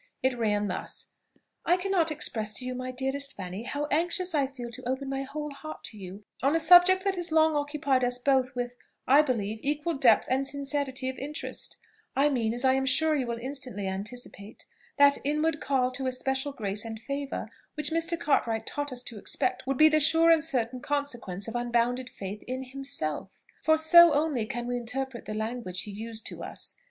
It ran thus: "I cannot express to you, my dearest Fanny, how anxious I feel to open my whole heart to you on a subject that has long occupied us both with, I believe, equal depth and sincerity of interest; I mean, as I am sure you will instantly anticipate, that inward call to especial grace and favour which Mr. Cartwright taught us to expect would be the sure and certain consequence of unbounded faith in himself; for so only can we interpret the language he used to us.